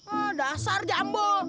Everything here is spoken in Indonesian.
ah dasar jam bos